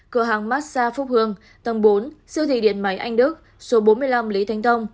một mươi cơ hàng massage phúc hương tầng bốn siêu thị điện máy anh đức số bốn mươi năm lý thanh tông